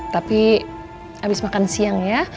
tapi habis makan siang ya